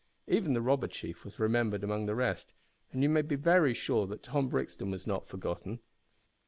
Even the robber chief was remembered among the rest, and you may be very sure that Tom Brixton was not forgotten.